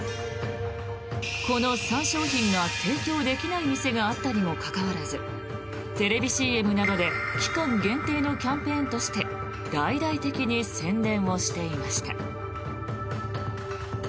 この３商品が提供できない店があったにもかかわらずテレビＣＭなどで期間限定のキャンペーンとして大々的に宣伝をしていました。